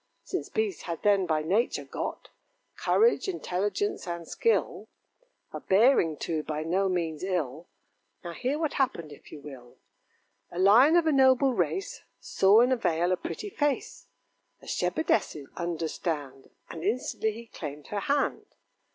Since beasts had then by nature got Courage, intelligence, and skill; A bearing, too, by no means ill. Now hear what happened, if you will: A Lion of a noble race Saw in a vale a pretty face, A shepherdess's, understand, And instantly he claimed her hand.